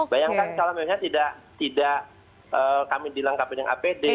bayangkan kalau memangnya tidak kami dilengkapkan dengan apd